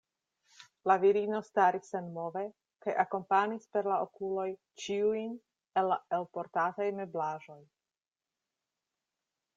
La virino staris senmove kaj akompanis per la okuloj ĉiun el la elportataj meblaĵoj.